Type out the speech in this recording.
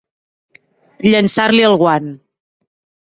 Llançar-li el guant.